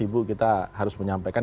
ibu kita harus menyampaikan